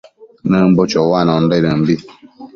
Nëmbo choanondaidëmbi